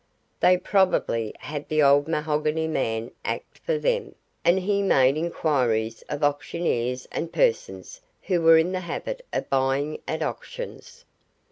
They probably had the old mahogany man act for them, and he made inquiries of auctioneers and persons who were in the habit of buying at auctions.